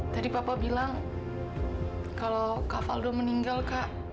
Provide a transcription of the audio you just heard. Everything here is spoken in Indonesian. tadi bapak bilang kalau kak faldo meninggal kak